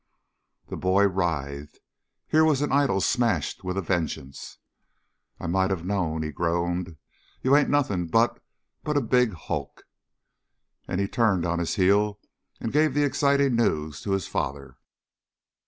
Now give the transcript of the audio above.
The boy writhed. Here was an idol smashed with a vengeance! "I might of knowed!" he groaned. "You ain't nothing but but a big hulk!" And he turned on his heel and gave the exciting news to his father.